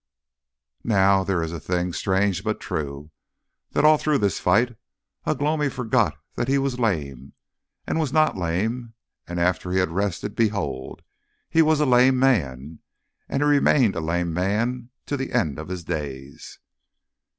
Now, there is a thing strange but true: that all through this fight Ugh lomi forgot that he was lame, and was not lame, and after he had rested behold! he was a lame man; and he remained a lame man to the end of his days.